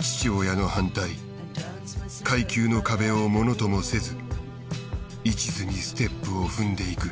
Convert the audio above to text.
父親の反対階級の壁をものともせず一途にステップを踏んでいく。